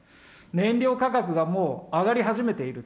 燃料価格がもう上がり始めている。